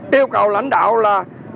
điêu cầu lãnh đạo là